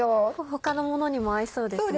他のものにも合いそうですね。